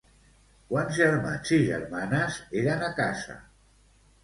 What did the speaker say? Quants germans i germanes eren a casa?